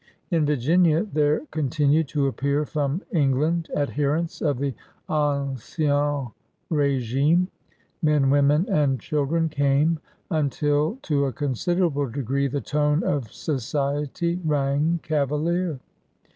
In Virginia there continued to appear from Eng land adherents of the ancien rSgime. Men, women, and children came until to a considerable degree the tone of society rang Cavalier.